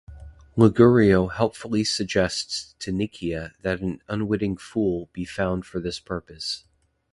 Ligurio helpfully suggests to Nicia that an unwitting fool be found for this purpose.